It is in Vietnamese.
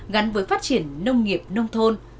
gắn với phát triển nông nghiệp nông thôn